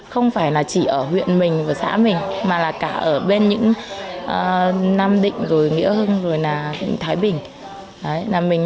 hợp tác xã hợp tác xã hợp tác xã hợp tác xã